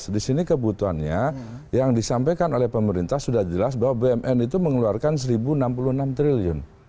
di sini kebutuhannya yang disampaikan oleh pemerintah sudah jelas bahwa bumn itu mengeluarkan seribu enam puluh enam triliun